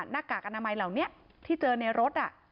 กากอนามัยเหล่านี้ที่เจอในรถ